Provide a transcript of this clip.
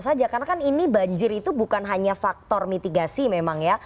karena kan ini banjir itu bukan hanya faktor mitigasi memang ya